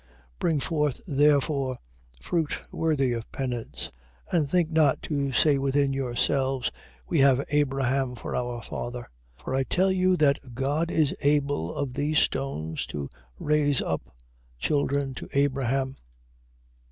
Bring forth therefore fruit worthy of penance. 3:9. And think not to say within yourselves, We have Abraham for our father. For I tell you that God is able of these stones to raise up children to Abraham.